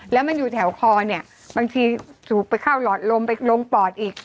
แล้วมันอยู่แถวคอเนี่ยบางทีสูบไปเข้าหลอดลมไปลงปอดอีก